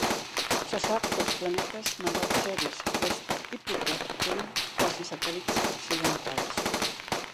Se sap que els planetes menors Ceres, Vesta i Plutó tenen quasisatèl·lits accidentals.